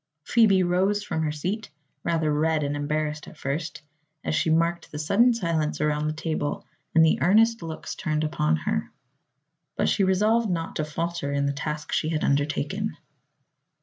Phoebe rose from her seat, rather red and embarrassed at first, as she marked the sudden silence around the table and the earnest looks turned upon her. But she resolved not to falter in the task she had undertaken.